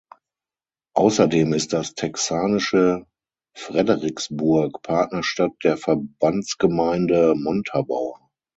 Außerdem ist das texanische Fredericksburg Partnerstadt der Verbandsgemeinde Montabaur.